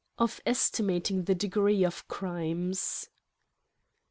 Of estimating the Degree of Crimes.